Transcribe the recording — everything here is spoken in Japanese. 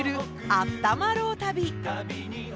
「あったまろう旅」！